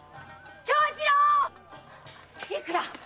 ・長次郎‼いくら？